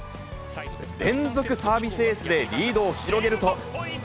連続サービスエースでリードを広げると。